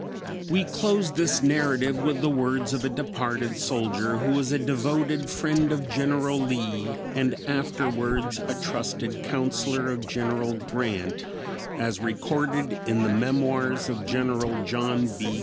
We close this narrative with the words of a departed soldier who was a devoted friend of General Lee and afterwards a trusted counsellor of General Grant, as recorded in the Memoirs of Gen. John B.